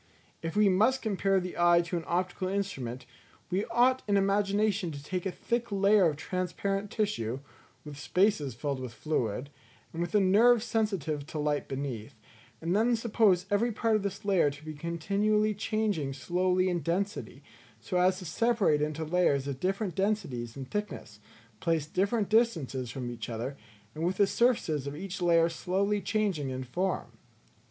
If we must compare the eye to an optical instrument, we ought in imagination to take a thick layer of transparent tissue, with spaces filled with fluid, and with a nerve sensitive to light beneath, and then suppose every part of this layer to be continually changing slowly in density, so as to separate into layers of different densities and thicknesses, placed at different distances from each other, and with the surfaces of each layer slowly changing in form.